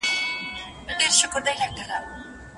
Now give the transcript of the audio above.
هغه چې ماته يې په سرو وینو غزل ليکله